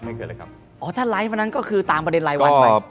ว่าในไลฟ์นั้นก็ตามประเด็นไรวะ